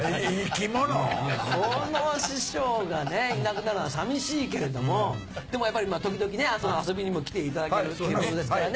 この師匠がねいなくなるのは寂しいけれどもでもやっぱり時々遊びにも来ていただけるそうですからね。